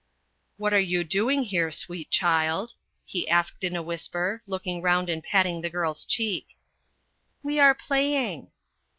" What are you doing here, sweet child ?" he asked in a whisper, looking round and patting the girl's cheek. " We are playing."